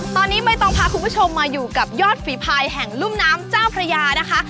ตอนนี้ใบตองพาคุณผู้ชมมาอยู่กับยอดฝีพายแห่งรุ่มน้ำเจ้าพระยานะคะ